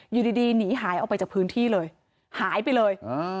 อยู่ดีหนีหายออกไปจากพื้นที่เลยหายไปเลย